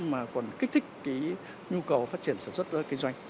mà còn kích thích cái nhu cầu phát triển sản xuất kinh doanh